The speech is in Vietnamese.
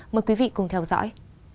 mời quý vị cùng theo dõi